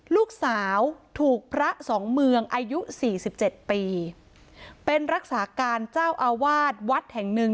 ลูกสาวถูกพระสองเมืองอายุสี่สิบเจ็ดปีเป็นรักษาการเจ้าอาวาสวัดแห่งหนึ่ง